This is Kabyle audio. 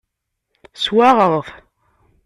Swaɣeɣ-t.